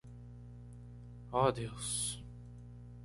Oh Deus!